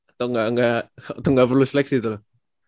atau nggak perlu seleksi tuh